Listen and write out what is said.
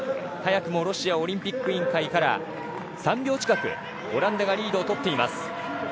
早くもロシアオリンピック委員会から、３秒近くオランダがリードをとっています。